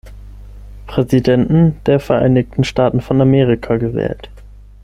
Präsidenten der Vereinigten Staaten von Amerika gewählt.